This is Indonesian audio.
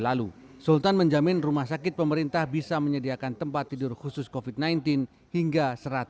lalu sultan menjamin rumah sakit pemerintah bisa menyediakan tempat tidur khusus kofit sembilan belas hingga